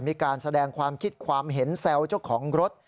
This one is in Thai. มีการแสดงความคิดความเห็นแซวเจ้าของรถ